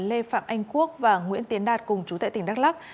lê phạm anh quốc và nguyễn tiến đạt cùng chú tại tỉnh đắk lắc